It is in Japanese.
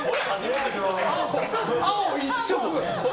青一色！